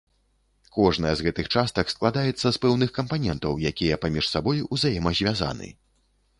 Кожная з гэтых частак складаецца з пэўных кампанентаў, якія паміж сабой узаемазвязаны.